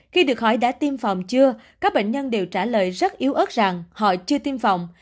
khi được hỏi đã tiêm phòng chưa các bệnh nhân đều trả lời rất yếu ớt rằng họ chưa tiêm phòng